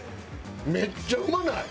めっちゃうまない？